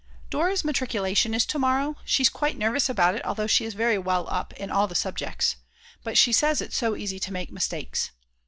Dora's matriculation is to morrow, she's quite nervous about it although she is very well up in all the subjects. But she says it's so easy to make mistakes.